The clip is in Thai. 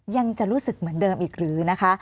ยังจะรู้สึกเหมือนเดิมอีกหรือนะคะ